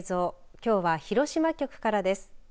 きょうは広島局からです。